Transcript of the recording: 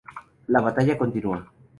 La batalla continúa.